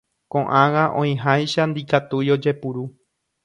Koʼág̃a oĩháicha ndikatúi ojepuru.